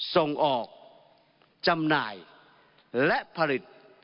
ส่งออกจำหน่ายและผลิต